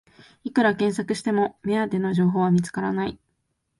いくら検索しても目当ての情報は見つからない